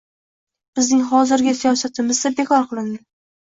Bizning hozirgi siyosatimizda bekor qilindi